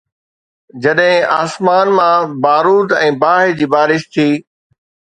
جڏهن آسمان مان بارود ۽ باهه جي بارش ٿي.